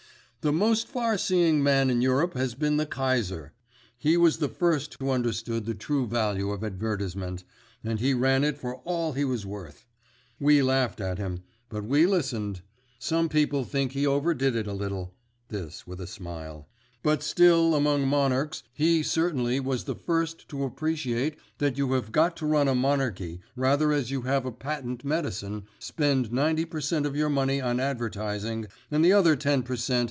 "The most far seeing man in Europe has been the Kaiser. He was the first who understood the true value of advertisement, and he ran it for all he was worth. We laughed at him, but we listened. Some people think he overdid it a little," this with a smile; "but still among monarchs he certainly was the first to appreciate that you have got to run a monarchy rather as you have a patent medicine, spend ninety per cent. of your money on advertising, and the other ten per cent.